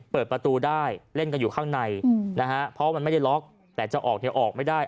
เปิดประตูได้เล่นกันอยู่ข้างในนะฮะเพราะมันไม่ได้ล็อกแต่จะออกเนี่ยออกไม่ได้